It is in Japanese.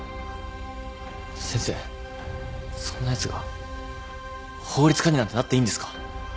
先生そんなやつが法律家になんてなっていいんですか？